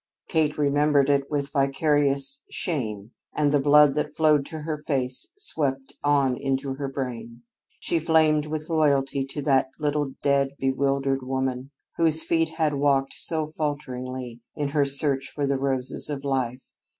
Kate remembered it with vicarious shame and the blood that flowed to her face swept on into her brain. She flamed with loyalty to that little dead, bewildered woman, whose feet had walked so falteringly in her search for the roses of life.